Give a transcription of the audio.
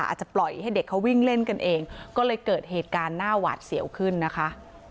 อาจจะปล่อยให้เด็กเขาวิ่งเล่นกันเองก็เลยเกิดเหตุการณ์หน้าหวาดเสียวขึ้นนะคะ